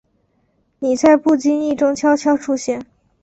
你在不经意中悄悄出现